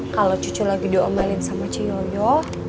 kalau cucu lagi diombalin sama ciyoyo